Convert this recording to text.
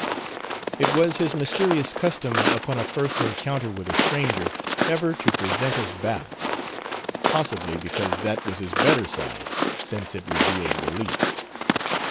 It was his mysterious custom upon a first encounter with a stranger ever to present his back; possibly, because that was his better side, since it revealed the least.